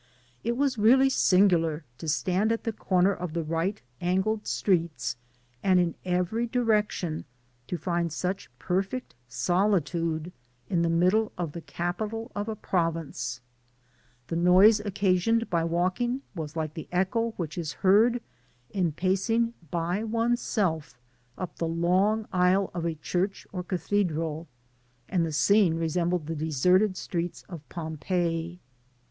It was really singular to stand at the corner of the right angled streets, and in every direction to find such perfect solitude in the middle of the capital of a province. The noise occasioned by walking was like the echo which is heard in pacing by oneself up the long F 2 Digitized byGoogk 6^ MtNt>02A. aisle of a chufch or cathedral, and the scene re minded me of the deserted streets of Pompeii.